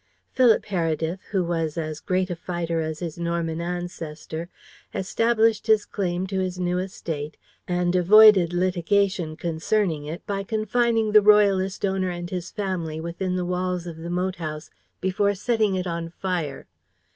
Philip Heredith, who was as great a fighter as his Norman ancestor, established his claim to his new estate, and avoided litigation concerning it, by confining the Royalist owner and his family within the walls of the moat house before setting it on fire.